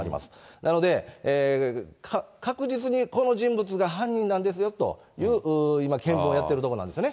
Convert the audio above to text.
なので、確実にこの人物が犯人なんですよという今、見分をやっているところなんですよね。